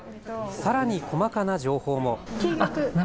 さらに細かな情報も。